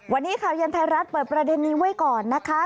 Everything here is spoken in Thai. วันนี้ข่าวเย็นไทยรัฐเปิดประเด็นนี้ไว้ก่อนนะคะ